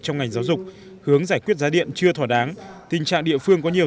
trong ngành giáo dục hướng giải quyết giá điện chưa thỏa đáng tình trạng địa phương có nhiều